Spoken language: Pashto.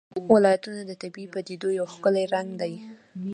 ولایتونه د طبیعي پدیدو یو ښکلی رنګ دی.